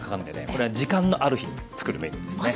これは時間のある日作るメニューですね。